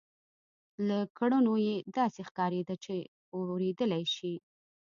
له کړنو یې داسې ښکارېده چې اورېدلای شي